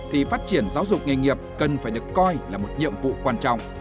thì phát triển giáo dục nghề nghiệp cần phải được coi là một nhiệm vụ quan trọng